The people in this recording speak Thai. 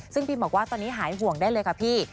ซึ่งพิมบอกว่าตอนนี้หายห่วงได้เลยค่ะพี่